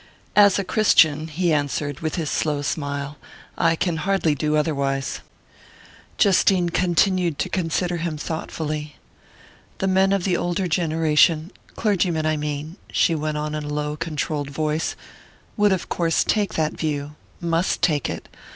"As a Christian," he answered, with his slow smile, "I can hardly do otherwise." Justine continued to consider him thoughtfully. "The men of the older generation clergymen, I mean," she went on in a low controlled voice, "would of course take that view must take it.